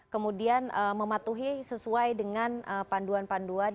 kemudian mematuhi sesuai dengan panduan panduan